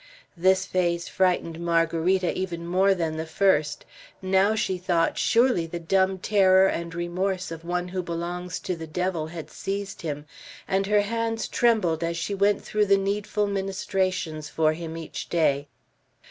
This phase frightened Margarita even more than the first. Now, she thought, surely the dumb terror and remorse of one who belongs to the Devil had seized him, and her hands trembled as she went through the needful ministrations for him each day.